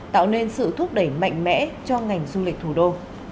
tạo nên sự thúc đẩy mạnh mẽ cho ngành du lịch thủ đô